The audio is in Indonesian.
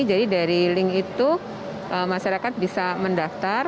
jadi dari link itu masyarakat bisa mendaftar